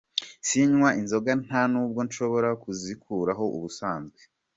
Sinywa inzoga nta nubwo nshobora kuzikoraho ubusanzwe.